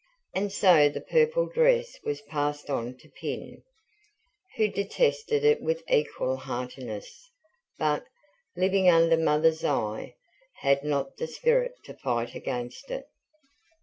And so the purple dress was passed on to Pin, who detested it with equal heartiness, but, living under Mother's eye, had not the spirit to fight against it.